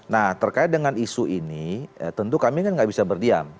nah terkait dengan isu ini tentu kami kan nggak bisa berdiam